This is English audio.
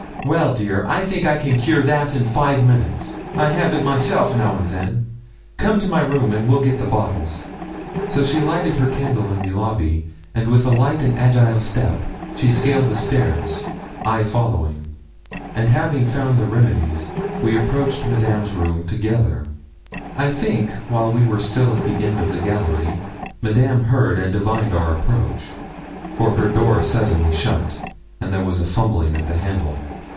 Well, dear, I think I can cure that in five minutes. I have it myself, now and then. Come to my room, and we'll get the bottles.' So she lighted her candle in the lobby, and with a light and agile step she scaled the stairs, I following; and having found the remedies, we approached Madame's room together. I think, while we were still at the end of the gallery, Madame heard and divined our approach, for her door suddenly shut, and there was a fumbling at the handle.